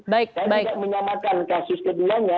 saya tidak menyamarkan kasus keduanya